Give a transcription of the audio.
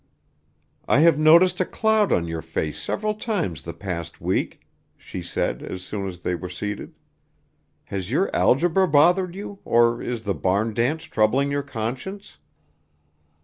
"I have noticed a cloud on your face several times the past week," she said, as soon as they were seated. "Has your algebra bothered you, or is the barn dance troubling your conscience?"